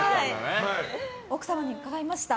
奥様に伺いました。